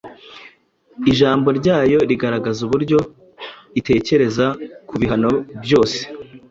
Ijambo ryayo rigaragaza uburyo itekereza ku bihano byose